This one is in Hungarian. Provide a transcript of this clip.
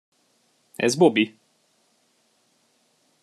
Ez Bobby!